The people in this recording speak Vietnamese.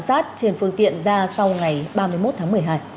lắp camera giám sát trên phương tiện ra sau ngày ba mươi một tháng một mươi hai